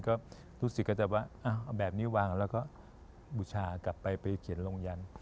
ก็รู้สึกก็จะว่าเอาแบบนี้วางแล้วก็บูชากลับไปไปเขียนลงยัน